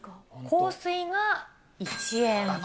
香水が１円。